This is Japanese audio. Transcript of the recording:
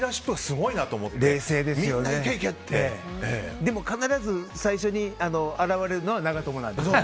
でも必ず最初に現れるのは長友なんですよ。